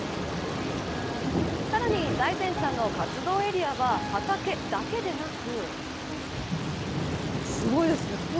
さらに財前さんの活動エリアは畑だけでなく。